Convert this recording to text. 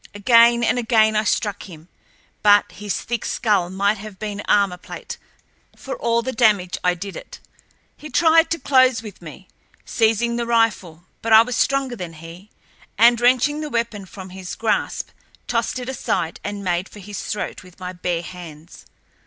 Again and again I struck him; but his thick skull might have been armor plate, for all the damage I did it. He tried to close with me, seizing the rifle, but I was stronger than he, and, wrenching the weapon from his grasp, tossed it aside and made for his throat with my bare hands.